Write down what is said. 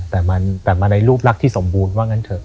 แต่มาในรูปรักที่สมบูรณ์ว่างั้นเถอะ